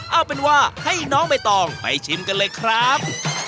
เอาเป็นว่าให้น้องใบตองไปชิมกันเลยครับ